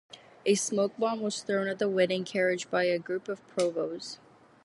A smoke bomb was thrown at the wedding carriage by a group of Provos.